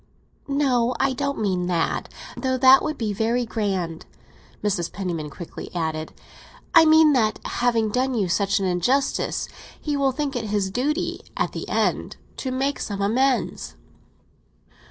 "No, I don't mean that; though that would be very grand!" Mrs. Penniman quickly added. "I mean that having done you such an injustice, he will think it his duty, at the end, to make some amends."